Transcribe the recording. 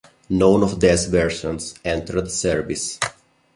None of these versions entered service.